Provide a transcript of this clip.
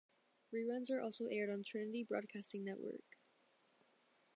Reruns are also aired on Trinity Broadcasting Network.